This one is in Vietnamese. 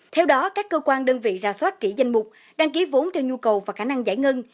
theo đó các cơ quan đơn vị ra soát kỹ danh mục đăng ký vốn theo nhu cầu và khả năng giải ngân